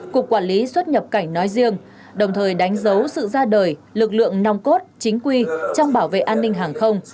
cục quản lý xuất nhập cảnh nói riêng đồng thời đánh dấu sự ra đời lực lượng nong cốt chính quy trong bảo vệ an ninh hàng không